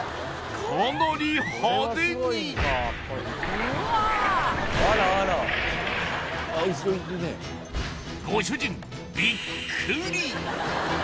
かなり派手にご主人ビックリ